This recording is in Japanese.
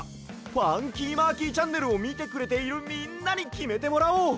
「ファンキーマーキーチャンネル」をみてくれているみんなにきめてもらおう！